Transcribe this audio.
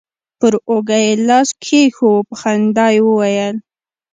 پر اوږه يې لاس راكښېښوو په خندا يې وويل.